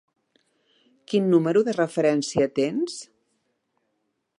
Quin número de referència tens?